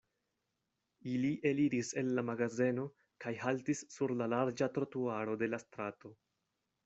Ili eliris el la magazeno kaj haltis sur la larĝa trotuaro de la strato.